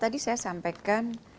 tadi saya sampaikan